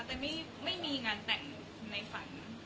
แต่ไม่มีงานแต่งในฝัน